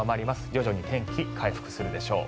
徐々に天気、回復するでしょう。